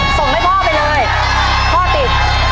ส่งให้พ่อไปเลยพ่อติด